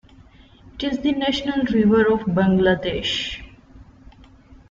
It is the National river of Bangladesh.